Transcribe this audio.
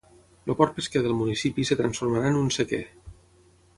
El port pesquer del municipi es transformarà en un sequer.